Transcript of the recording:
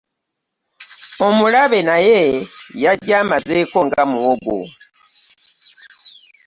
Omulabe naye yajja amazeeko nga muwogo.